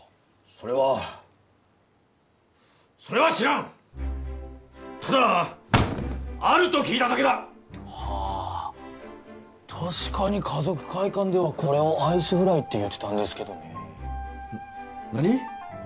それはそれは知らんただあると聞いただけだはあ確かに華族会館ではこれをアイスフライって言ってたんですけどね何？